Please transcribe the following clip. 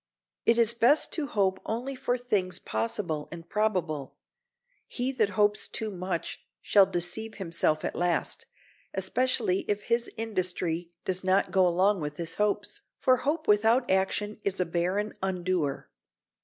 It is best to hope only for things possible and probable; he that hopes too much shall deceive himself at last, especially if his industry does not go along with his hopes, for hope without action is a barren undoer.